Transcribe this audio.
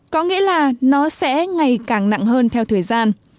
có nghĩa là nó sẽ ngày càng nặng hơn theo thời gian